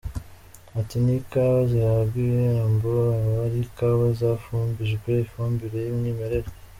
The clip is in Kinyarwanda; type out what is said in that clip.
Ati :’’N’ikawa zihabwa ibihembo aba ari ikawa zafumbijwe ifumbire y’umwimerere” .